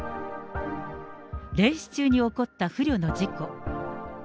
レース中に起こった不慮の事故。